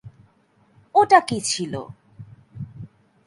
ওটা কী ছিল?